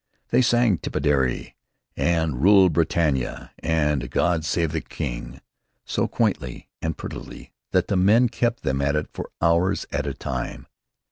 They sang "Tipperary" and "Rule Britannia," and "God Save the King," so quaintly and prettily that the men kept them at it for hours at a time.